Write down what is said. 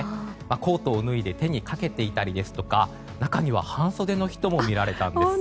コートを脱いで手にかけていたりですとか中には半袖の人も見られたんです。